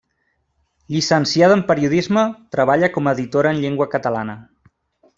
Llicenciada en periodisme, treballa com a editora en llengua catalana.